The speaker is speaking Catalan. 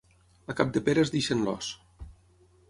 A Capdepera es deixen l'os.